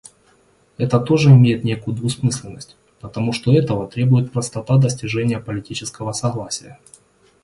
Это тоже имеет некую двусмысленность, потому что этого требует простота достижения политического согласия.